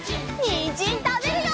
にんじんたべるよ！